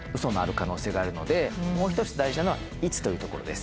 もう１つ大事なのは「いつ」というところです。